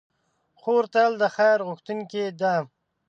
خور تل د خیر غوښتونکې ده.